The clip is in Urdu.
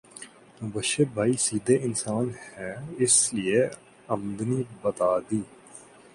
مبشر بھائی سیدھے انسان ہے اس لیے امدنی بتا دی